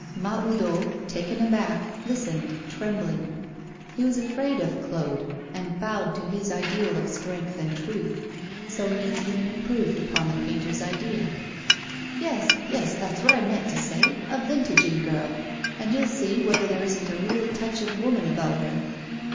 Mahoudeau, taken aback, listened, trembling. He was afraid of Claude, and bowed to his ideal of strength and truth. So he even improved upon the painter's idea. 'Yes, yes, that's what I meant to say a vintaging girl. And you'll see whether there isn't a real touch of woman about her.